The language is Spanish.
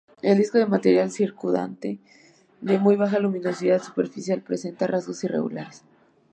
El disco de material circundante, de muy baja luminosidad superficial, presenta rasgos irregulares.